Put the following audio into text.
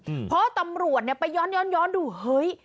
อืมเพราะตำรวจเนี้ยไปย้อนย้อนดูเฮ้ย